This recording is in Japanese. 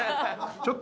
ちょっと！